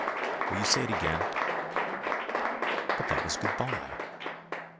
"Will you say it again?" "But that was good bye."